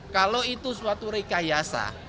kalau itu suatu rekayasa